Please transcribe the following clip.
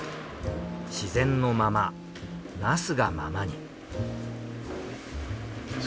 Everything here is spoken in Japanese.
自然のままなすがままに。